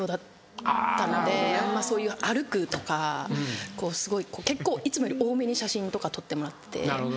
あなるほどね。そういう歩くとか結構いつもより多めに写真とか撮ってもらって。